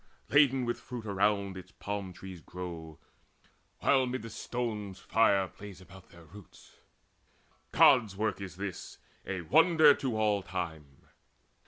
Laden with fruit around it palm trees grow, While mid the stones fire plays about their roots. Gods' work is this, a wonder to all time.